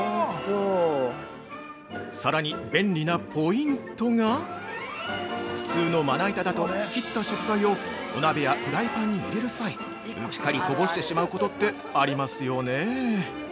◆さらに便利なポイントが普通のまな板だと、切った食材をお鍋やフライパンに入れる際、うっかりこぼしてしまうことってありますよね？